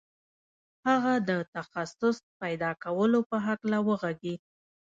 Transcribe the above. هغه د تخصص پیدا کولو په هکله وغږېد